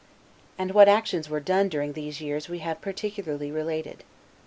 And what actions were done during these years we have particularly related.